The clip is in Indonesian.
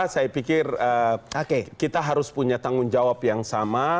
saya pikir kita harus punya tanggung jawab yang sama